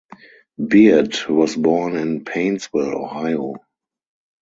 Beard was born in Painesville, Ohio.